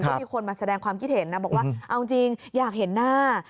ก็มีคนมาแสดงความคิดเห็นนะบอกว่าเอาจริงอยากเห็นหน้า